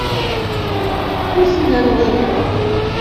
Wi t-ilan waya?